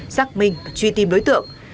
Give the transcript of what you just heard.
giác minh và truy tìm đối tượng